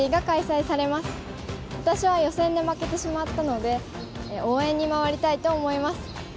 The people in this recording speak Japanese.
私は予選で負けてしまったので応援に回りたいと思います。